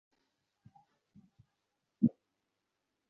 তা ছাড়া পাস করার উপায় নেই।